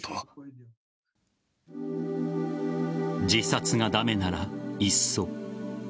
自殺が駄目ならいっそ。